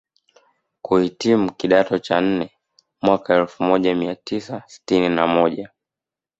Na kuhitimu kidato cha nne mwaka elfu moja mia tisa sitini na moja